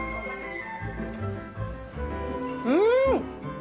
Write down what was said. うん！